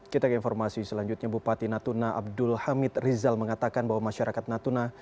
kita ke informasi selanjutnya bupati natuna abdul hamid rizal mengatakan bahwa masyarakat natuna